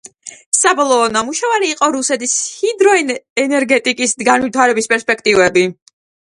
საბოლოო ნამუშევარი იყო „რუსეთის ჰიდროენერგეტიკის განვითარების პერსპექტივები“.